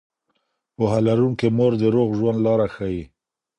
پوهه لرونکې مور د روغ ژوند لاره ښيي.